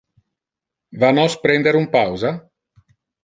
Va nos prender un pausa?